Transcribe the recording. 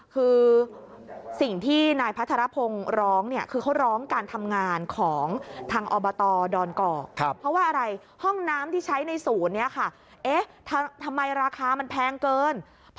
คือสิ่งที่